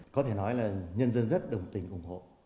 có thể nói là nhân dân rất đồng tình ủng hộ